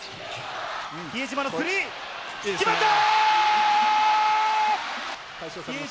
比江島のスリー！決まった！